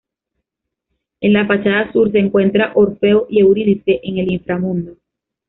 En la fachada sur se encuentran Orfeo y Eurídice en el inframundo.